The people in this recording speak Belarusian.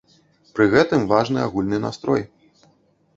Пры гэтым важны агульны настрой.